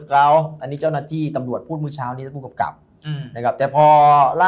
เขานี่เจ้าหน้าที่ตำรวจพูดพี่กำลังพูดก่อนก็โดดซิสุดอย่างนี้จะ